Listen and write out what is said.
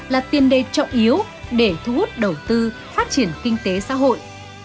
là tiền đề trọng yếu để thu hút đầu tư phát triển kinh tế xã hội